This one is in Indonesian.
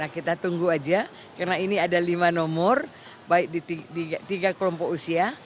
kita tunggu aja karena ini ada lima nomor baik di tiga kelompok usia